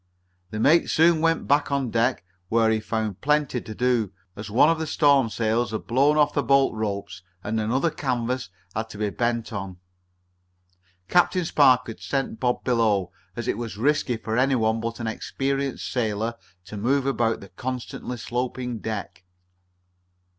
The mate soon went back on deck, where he found plenty to do, as one of the storm sails had blown off the bolt ropes and another canvas had to be bent on. Captain Spark had sent Bob below, as it was risky for any one but an experienced sailor to move about the constantly sloping deck.